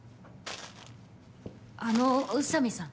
あの宇佐美さん。